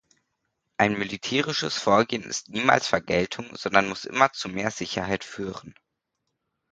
Ein militärisches Vorgehen ist niemals Vergeltung, sondern muss immer zu mehr Sicherheit führen.